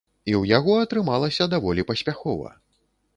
І ў яго атрымалася даволі паспяхова.